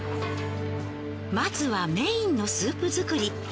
まずはメインのスープ作り。